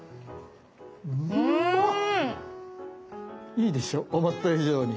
いいでしょ思った以上に。